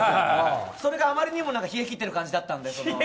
それがあまりにも冷え切ってる感じだったので。